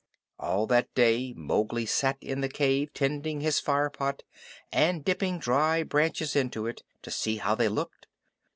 All that day Mowgli sat in the cave tending his fire pot and dipping dry branches into it to see how they looked.